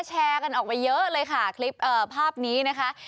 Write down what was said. แชร์กันออกไปเยอะเลยค่ะคลิปภาพนี้นะคะ